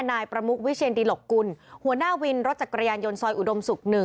นายประมุกวิเชียนดิหลกกุลหัวหน้าวินรถจักรยานยนต์ซอยอุดมศุกร์๑